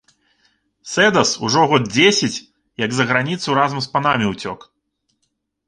Сэдас ужо год дзесяць, як за граніцу разам з панамі ўцёк.